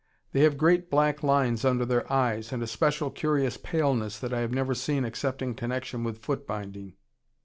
They have great black lines under their eyes, and a special curious paleness that I have never seen except in connection with foot binding.